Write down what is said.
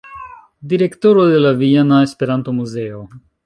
Direktoro de la viena Esperanto-muzeo.